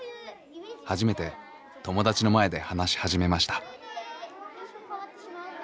初めて友達の前で話し始めました。